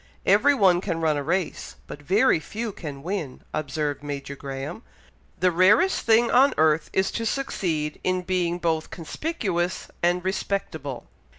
Every one can run a race, but very few can win," observed Major Graham. "The rarest thing on earth is to succeed in being both conspicuous and respectable.